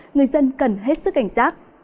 người dân cần hết sức cảnh giác